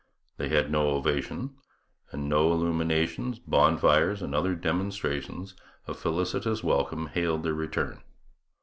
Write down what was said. They had no ovation; and no illuminations, bonfires, and other demonstrations of felicitous welcome hailed their return.